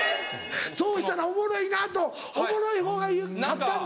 そうしたらおもろいなとおもろいほうが勝ったんだ。